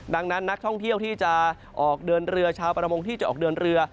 ดังนั้นนักท่องเที่ยวที่จะออกเดินเรือชาวประมงที่จะออกเดินเรือ